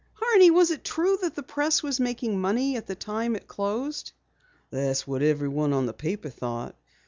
"Horney, was it true that the Press was making money at the time it closed?" "That's what everyone on the paper thought.